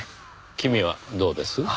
君はどうです？